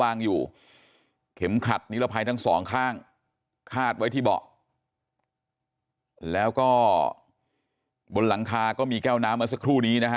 อยู่เข็มขัดนิรภัยทั้งสองข้างคาดไว้ที่เบาะแล้วก็บนหลังคาก็มีแก้วน้ำเมื่อสักครู่นี้นะฮะ